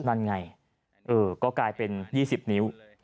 นั่นไงก็กลายเป็น๒๐นิ้ว